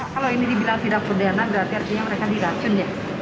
kalau ini dibilang tidak perdana berarti artinya mereka diracun ya